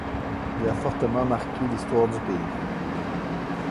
Il a fortement marqué l'histoire du pays.